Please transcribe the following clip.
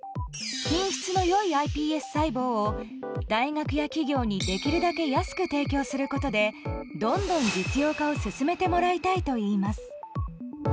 品質の良いｉＰＳ細胞を大学や企業にできるだけ安く提供することでどんどん実用化を進めてもらいたいといいます。